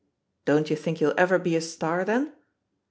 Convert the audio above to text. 'Don't you think you'll ever be a star, then?'